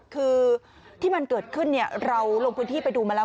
คือที่มันเกิดขึ้นเราลงพื้นที่ไปดูมาแล้ว